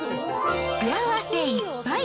幸せいっぱい！